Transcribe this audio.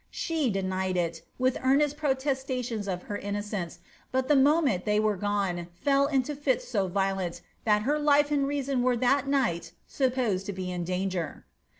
She denied it, with earnest protestations of her innocence ; but the mo ment they were gone fell into fits so violent, that her life and reason were that night supposed to be in danger.